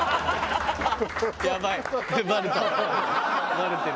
バレてる！